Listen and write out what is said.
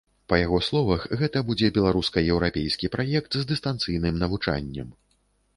Па яго словах, гэта будзе беларуска-еўрапейскі праект з дыстанцыйным навучаннем.